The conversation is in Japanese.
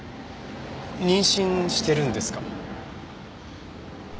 妊娠してるんですか？